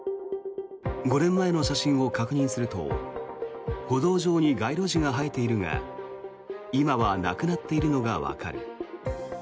５年前の写真を確認すると歩道上に街路樹が生えているが今はなくなっているのがわかる。